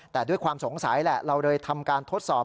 แต่ด้วยความสงสัยแหละเราเลยทำการทดสอบ